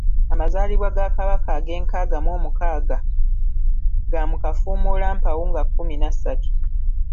Amazaalibwa ga Kabaka ag'enkaaga mu omukaaga ga mu kafuumulampawu nga kumi nassatu.